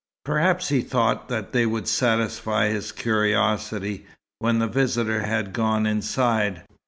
Perhaps he thought that they would satisfy his curiosity, when the visitor had gone inside.